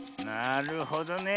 なるほどね。